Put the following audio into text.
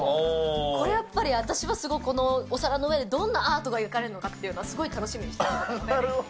これやっぱり、私はすごい、このお皿の上で、どんなアートが描かれるのかっていうのをすごいなるほど。